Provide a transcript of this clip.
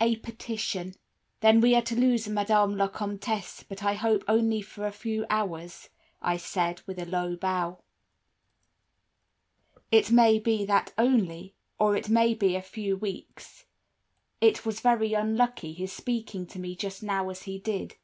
A Petition "'Then we are to lose Madame la Comtesse, but I hope only for a few hours,' I said, with a low bow. "'It may be that only, or it may be a few weeks. It was very unlucky his speaking to me just now as he did.